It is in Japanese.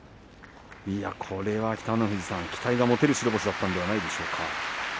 これは北の富士さん期待が持てる白星だったんではないですか。